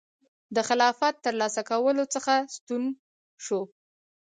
د خلافت ترلاسه کولو څخه ستون شو.